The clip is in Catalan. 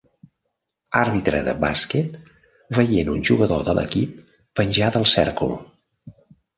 Àrbitre de bàsquet veient un jugador de l'equip penjar del cèrcol.